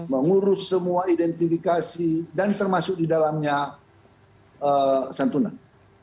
mengurus semua identifikasi dan termasuk di dalamnya santunan